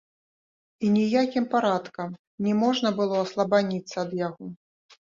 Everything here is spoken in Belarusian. І ніякім парадкам не можна было аслабаніцца ад яго.